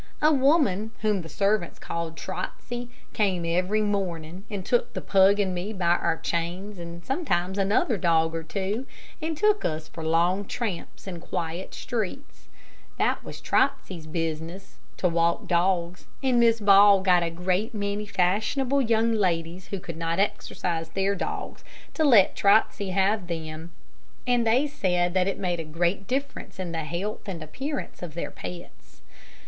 A woman, whom the servants called Trotsey, came every morning, and took the pug and me by our chains, and sometimes another dog or two, and took us for long tramps in quiet streets. That was Trotsey's business, to walk dogs, and Miss Ball got a great many fashionable young ladies who could not exercise their dogs, to let Trotsey have them, and they said that it made a great difference in the health and appearance of their pets.